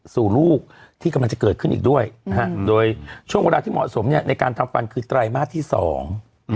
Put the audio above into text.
สู่ลูกที่กำลังจะเกิดขึ้นอีกด้วยนะฮะโดยช่วงเวลาที่เหมาะสมเนี่ยในการทำฟันคือไตรมาสที่สอง